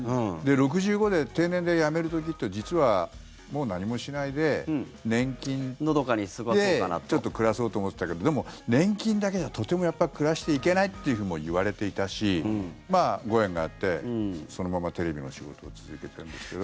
６５で定年で辞める時って実はもう何もしないで年金でちょっと暮らそうと思ってたけどでも、年金だけじゃとても暮らしていけないとも言われていたしご縁があってそのまま、テレビの仕事を続けてるんですけど。